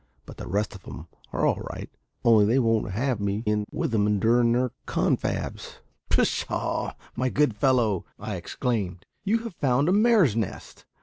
But the rest of 'em are all right, only they won't have me in with 'em durin' their confabs." "Pshaw! my good fellow," I exclaimed, "you have found a mare's nest.